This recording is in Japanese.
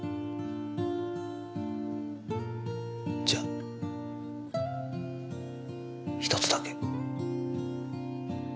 じゃあひとつだけ。